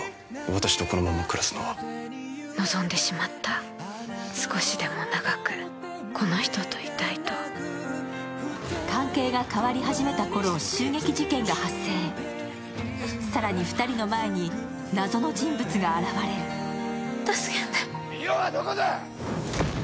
私とこのまま暮らすのは望んでしまった少しでも長くこの人といたいと関係が変わり始めた頃襲撃事件が発生さらに２人の前に謎の人物が現れる助けて美世はどこだ！